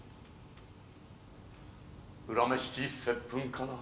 「恨めしき接吻かな」